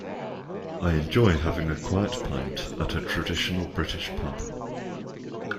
I enjoy having a quiet pint at a traditional British pub